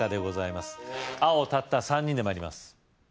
青立った３人で参ります